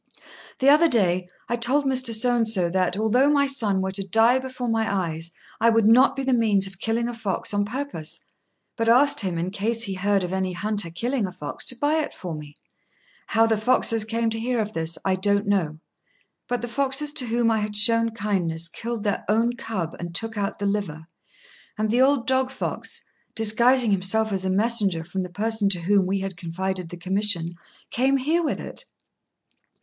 The other day I told Mr. So and so that, although my son were to die before my eyes, I would not be the means of killing a fox on purpose; but asked him, in case he heard of any hunter killing a fox, to buy it for me. How the foxes came to hear of this I don't know; but the foxes to whom I had shown kindness killed their own cub and took out the liver; and the old dog fox, disguising himself as a messenger from the person to whom we had confided the commission, came here with it.